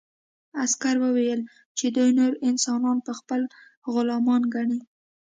عسکر وویل چې دوی نور انسانان خپل غلامان ګڼي